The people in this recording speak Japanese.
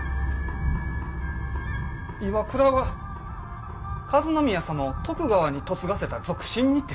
岩倉は和宮様を徳川に嫁がせた賊臣にて。